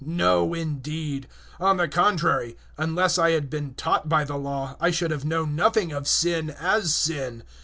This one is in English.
No, indeed; on the contrary, unless I had been taught by the Law, I should have known nothing of sin as sin.